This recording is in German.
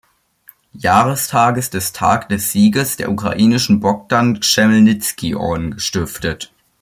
Jahrestages des Tag des Sieges der ukrainische Bogdan-Chmelnizki-Orden gestiftet.